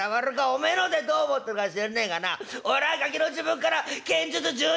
おめえの方でどう思ってるか知らねえがな俺はガキの時分から剣術柔術」。